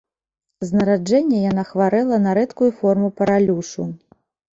З нараджэння яна хварэла на рэдкую форму паралюшу.